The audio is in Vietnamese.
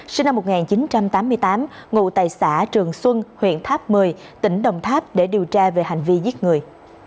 sinh năm một nghìn chín trăm tám mươi tám ngụ tại xã trường xuân huyện tháp một mươi tỉnh đồng tháp để điều tra về hành vi giết người